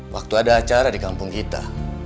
waktu ada acara di kampung kita